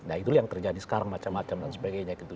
nah itulah yang terjadi sekarang macam macam dan sebagainya gitu